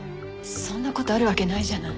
そんな事あるわけないじゃない。